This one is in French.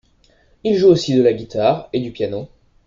Il joue aussi de la guitare et du piano.